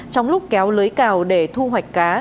trong lúc kéo lưới cào để thu hoạch cá